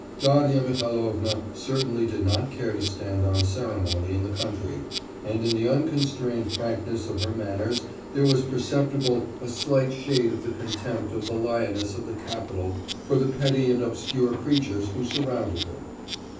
Darya Mihailovna certainly did not care to stand on ceremony in the country, and in the unconstrained frankness of her manners there was perceptible a slight shade of the contempt of the lioness of the capital for the petty and obscure creatures who surrounded her.